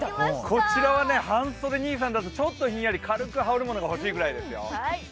こちらは半袖兄さんだとちょっと寒いです、軽く羽織るものが欲しいぐらいですよ。